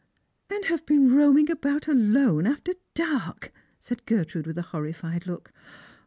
" And have been roaming about alone after dark," said Ger trude, with a horrified look.